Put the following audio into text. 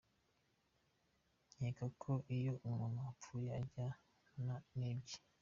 Nkeka ko iyo umuntu apfuye ajyana nibye.